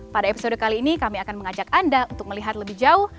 pada episode kali ini kami akan mengajak anda untuk melihat lebih jauh